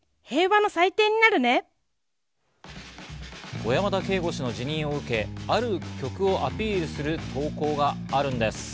小山田圭吾氏の辞任を受け、ある曲をアピールする投稿があるんです。